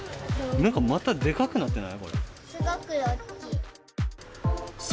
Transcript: なんかまたでかくなってない？